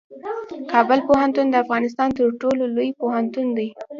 کابل پوهنتون د افغانستان تر ټولو لوی پوهنتون دی.